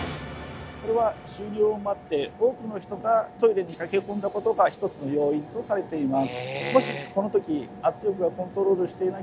これは終了を待って多くの人がトイレに駆け込んだことが一つの要因とされています。